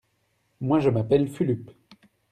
Moi, je m'appelle Fulup.